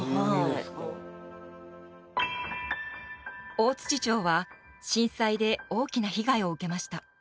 大町は震災で大きな被害を受けました。